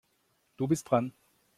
Du bist dran.